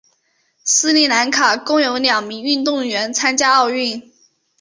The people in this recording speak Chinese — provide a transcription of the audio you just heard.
斯里兰卡共有两名游泳运动员参加奥运。